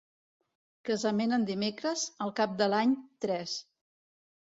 Casament en dimecres, al cap de l'any, tres.